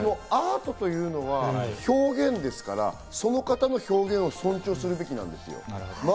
アートというのは表現ですから、その方の表現を尊重すべきなんですよ。